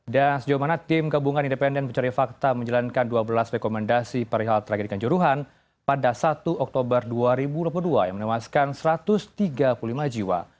dan sejauh mana tim gabungan independen mencari fakta menjalankan dua belas rekomendasi perihal tragedikan juruhan pada satu oktober dua ribu dua puluh dua yang menewaskan satu ratus tiga puluh lima jiwa